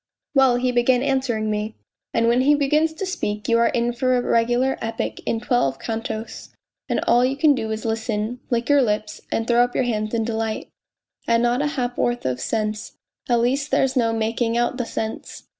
... Well, he began answering me. And when he begins to speak you are in for a regular epic in twelve cantos, and all you can do is to listen, lick your lips and throw up your hands in delight. And not a ha'p'orth of sense, at least there's no making out the sense.